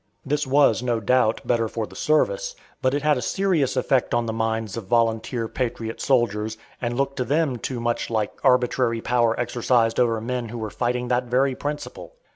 This was no doubt better for the service, but it had a serious effect on the minds of volunteer patriot soldiers, and looked to them too much like arbitrary power exercised over men who were fighting that very principle.